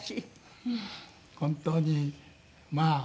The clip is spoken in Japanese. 本当にまあ